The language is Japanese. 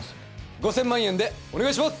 ５０００万円でお願いします